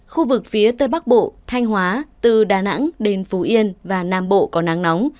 khu vực phía tây bắc bộ thanh hóa từ đà nẵng đến phú yên và nam bộ có nắng nóng